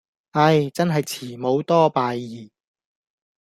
唉,真係慈母多敗兒